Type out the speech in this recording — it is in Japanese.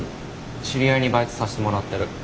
知り合いにバイトさせてもらってる。